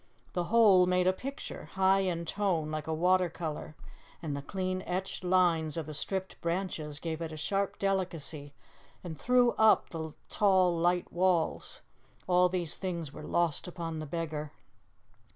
The whole made a picture, high in tone, like a water colour, and the clean etched lines of the stripped branches gave it a sharp delicacy and threw up the tall, light walls. All these things were lost upon the beggar.